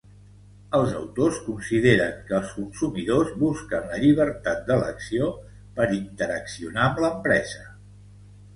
Els autors consideren que els consumidors busquen la llibertat d'elecció per interaccionar amb l'empresa.